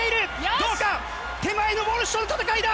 どうか、手前のウォルシュとの戦いだ。